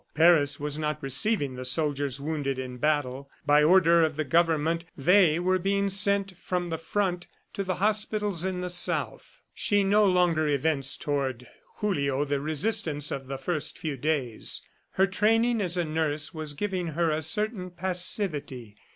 Paris was not receiving the soldiers wounded in battle; by order of the Government, they were being sent from the front to the hospitals in the South. She no longer evinced toward Julio the resistance of the first few days. Her training as a nurse was giving her a certain passivity.